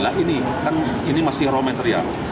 nah ini kan ini masih raw material